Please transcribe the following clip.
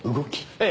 ええ。